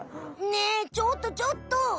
ねえちょっとちょっと。